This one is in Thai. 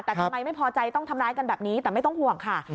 แต่ทำไมไม่พอใจต้องทำร้ายกันแบบนี้แต่ไม่ต้องห่วงค่ะ